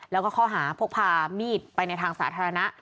แล้วก็ข้อหาพกพามีดไปในทางสาธารณะ